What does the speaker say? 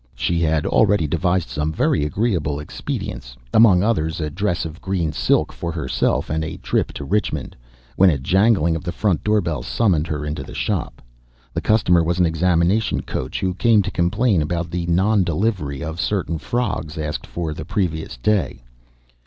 She had already devised some very agreeable expedients, among others a dress of green silk for herself and a trip to Richmond, when a jangling of the front door bell summoned her into the shop. The customer was an examination coach who came to complain of the non delivery of certain frogs asked for the previous day.